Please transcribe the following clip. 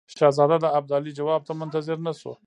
شهزاده د ابدالي جواب ته منتظر نه شو.